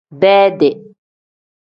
Bedi.